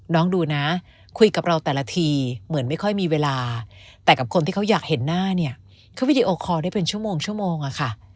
ดูนะคุยกับเราแต่ละทีเหมือนไม่ค่อยมีเวลาแต่กับคนที่เขาอยากเห็นหน้าเนี่ยเขาวิดีโอคอลได้เป็นชั่วโมงชั่วโมงอะค่ะ